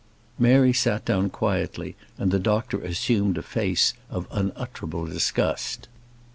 Mary sat down quietly, and the doctor assumed a face of unutterable disgust.